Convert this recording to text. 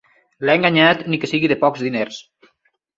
L'ha enganyat, ni que sigui de pocs diners.